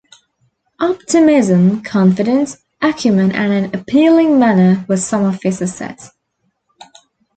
Optimism, confidence, acumen and an appealing manner were some of his assets.